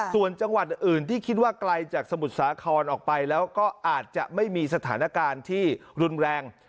ส่วนจังหวัดอื่นที่คิดว่าไกลจากสมุทรสาครออกไปแล้วก็อาจจะไม่มีสถานการณ์ที่รุนแรง